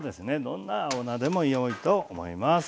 どんな青菜でもよいと思います。